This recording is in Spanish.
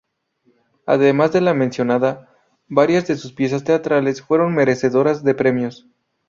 Además de la mencionada, varias de sus piezas teatrales fueron merecedoras de premios.